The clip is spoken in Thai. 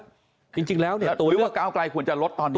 จริงจริงแล้วเนี่ยตัวเรื่องว่าก้าวกลายควรจะลดตอนนี้อย่างกัน